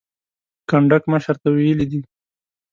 کنډک مشر ته ویلي دي.